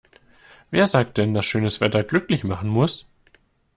Wer sagt denn, dass schönes Wetter glücklich machen muss?